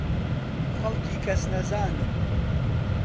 خەڵکی کەسنەزانم.